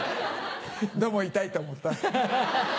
どうも痛いと思った。